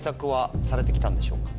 されて来たんでしょうか？